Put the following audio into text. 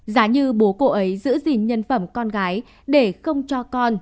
giá như bố cô ấy giữ gìn nhân phẩm con gái để không cho con